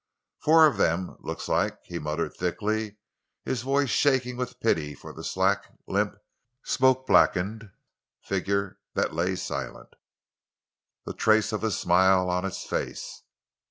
"Four of them, looks like!" he muttered thickly, his voice shaking with pity for the slack, limp, smoke blackened figure that lay silent, the trace of a smile on its face.